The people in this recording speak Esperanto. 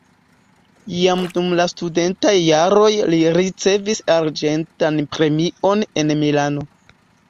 Jam dum la studentaj jaroj li ricevis arĝentan premion en Milano.